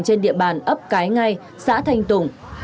trên địa bàn ấp cái ngay xã thanh tùng